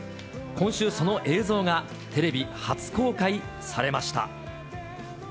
今週、その映像がテレビ初公開されました。